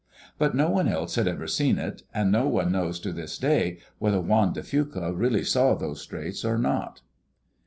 But no one else had ever seen it, and no one knows to this day whether Juan de Fuca really saw those straits or not.